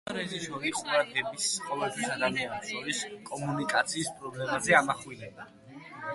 კინორეჟისორი ყურადღებას ყოველთვის ადამიანებს შორის კომუნიკაციის პრობლემაზე ამახვილებდა.